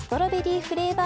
フレーバー